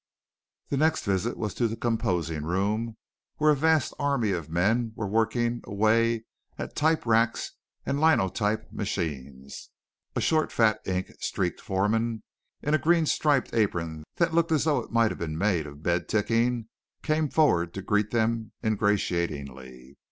The next visit was to the composing room where a vast army of men were working away at type racks and linotype machines. A short, fat, ink streaked foreman in a green striped apron that looked as though it might have been made of bed ticking came forward to greet them ingratiatingly.